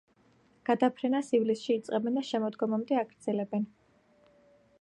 გადაფრენას ივლისში იწყებენ და შემოდგომამდე აგრძელებენ.